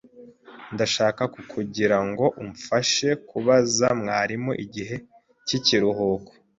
Ndashaka kukugira ngo umfashe kubaza mwarimu igihe cyikiruhuko.